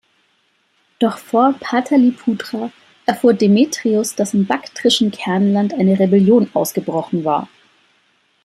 Doch vor Pataliputra erfuhr Demetrios, dass im baktrischen Kernland eine Rebellion ausgebrochen war.